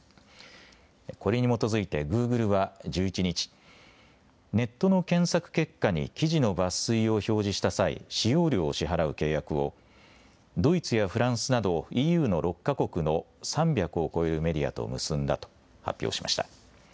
これに基づいてグーグルは１１日、ネットの検索結果に記事の抜粋を表示した際、使用料を支払う契約をドイツやフランスなどＥＵの６か国の３００を超えるメディアと結んだと発表しました。